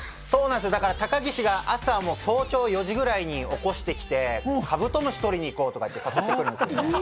高岸が早朝４時ぐらいに起こしてきて、カブトムシ取りに行こうとか誘ってくるんです。